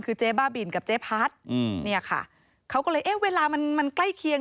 คือเจ๊บ้าบินกับเจ๊พัดอืมเนี่ยค่ะเขาก็เลยเอ๊ะเวลามันมันใกล้เคียง